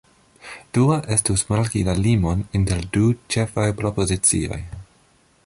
Dua estus marki la limon inter du ĉefaj propozicioj.